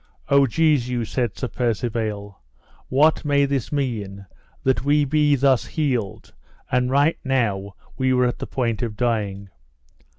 O Jesu, said Sir Percivale, what may this mean, that we be thus healed, and right now we were at the point of dying?